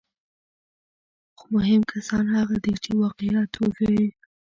خو مهم کسان هغه دي چې واقعیت وښيي.